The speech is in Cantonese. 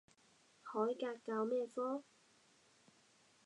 海格教咩科？